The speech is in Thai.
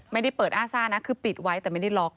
ไม่ได้เปิดอ้าซ่านะคือปิดไว้แต่ไม่ได้ล็อก